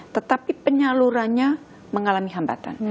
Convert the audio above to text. tetapi penyalurannya mengalami hambatan